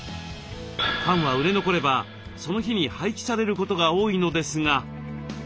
パンは売れ残ればその日に廃棄されることが多いのですが。